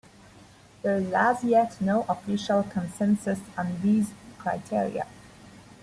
There is as yet no official consensus on these criteria.